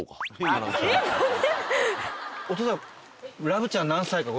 お父さん。